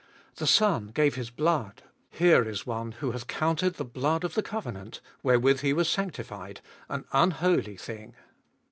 The Son gave His blood : here is one who hath counted the blood of the covenant, wherewith he was sanctified, an unholy thing.